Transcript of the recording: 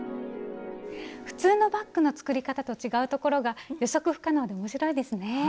普通のバッグの作り方と違うところが予測不可能で面白いですね。